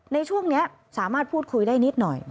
ในช่วงนี้สามารถพูดคุยได้นิดหน่อย